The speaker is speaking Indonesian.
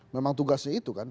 memang tugasnya itu kan